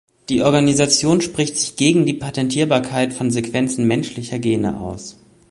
Die Organisation spricht sich gegen die Patentierbarkeit von Sequenzen menschlicher Gene aus.